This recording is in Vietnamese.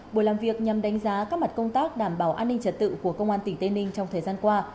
buổi làm việc nhằm đánh giá các mặt công tác đảm bảo an ninh trật tự của công an tỉnh tây ninh trong thời gian qua